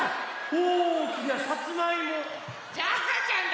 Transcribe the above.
おおきなさつまいも！